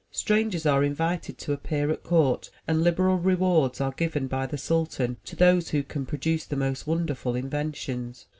Strangers are in vited to appear at court and liberal rewards are given by the sultan to those who can produce the most wonderful inventions.